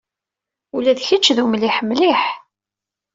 Ula d kečč d umliḥ mliḥ.